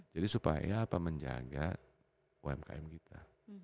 jadi supaya apa menjaga umkm kita